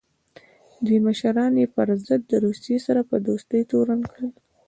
دوی مشران یې پر ضد د روسیې سره په دوستۍ تورن کړل.